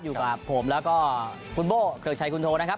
อยู่กับผมแล้วก็คุณโบ้เกริกชัยคุณโทนะครับ